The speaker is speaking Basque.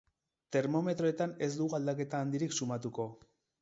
Termometroetan, ez dugu aldaketa handirik sumatuko.